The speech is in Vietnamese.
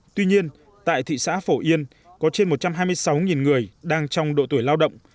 tuy nhiên tại thị xã phổ yên có trên một trăm hai mươi sáu người đang trong độ tuổi lao động